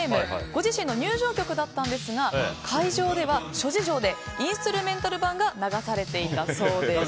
ご自身の入場曲だったんですが会場では諸事情でインストゥルメンタル版が流されていたそうです。